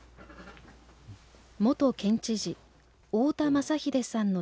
元県知事大田昌秀さんの著書